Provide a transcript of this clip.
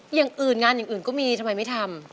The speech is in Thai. อย่างอื่นงานอย่างอื่นก็มีทำไมไม่ทำ